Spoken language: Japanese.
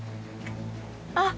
あっ！